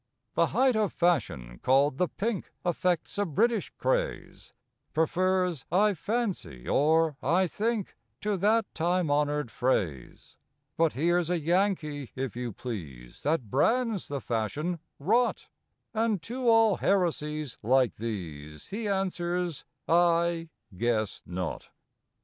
The height of fashion called the pink Affects a British craze Prefers "I fancy" or "I think" To that time honored phrase; But here's a Yankee, if you please, That brands the fashion rot, And to all heresies like these He answers, "I guess not!"